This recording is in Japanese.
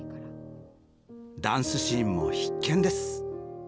ダンスシーンも必見です！